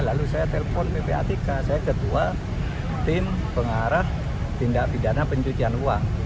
lalu saya telepon ppatk saya ketua tim pengarah tindak pidana pencucian uang